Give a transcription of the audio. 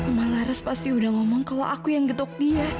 omah laras pasti udah ngomong kalau aku yang getuk dia